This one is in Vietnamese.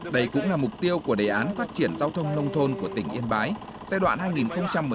đây cũng là mục tiêu của đề án phát triển giao thông nông thôn của tỉnh yên bái giai đoạn hai nghìn một mươi sáu hai nghìn hai mươi